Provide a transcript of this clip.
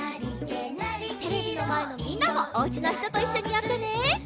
テレビのまえのみんなもおうちのひとといっしょにやってね。